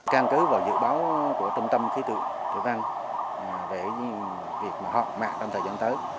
căn cứ vào dự báo của trung tâm khí tự văn về việc họp mạng trong thời gian tới